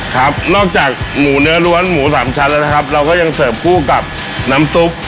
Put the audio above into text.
ครับนอกจากหมูเนื้อล้วนหมูสามชั้นแล้วนะครับเราก็ยังเสิร์ฟคู่กับน้ำซุป